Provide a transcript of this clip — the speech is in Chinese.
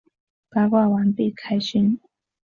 八卦完毕，开勋！